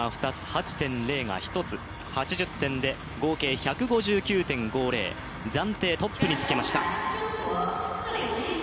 ８．０が１つ、８０点で合計１５９．５０、暫定トップにつけました。